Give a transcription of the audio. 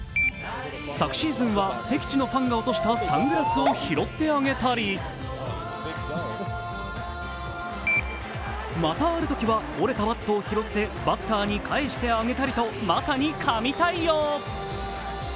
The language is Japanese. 昨シーズンは敵地のファンが落としたサングラスを拾ってあげたりまた、あるときは折れたバットを拾ってバッターに返してあげたりと、まさに神対応。